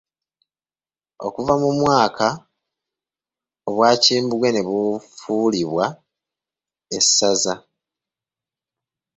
Okuva mu mwaka obwa Kimbugwe ne bafuulibwa Essaza.